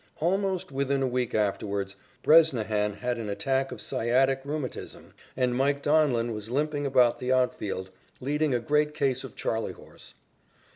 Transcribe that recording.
Almost within a week afterwards, Bresnahan had an attack of sciatic rheumatism and "Mike" Donlin was limping about the outfield, leading a great case of "Charley horse."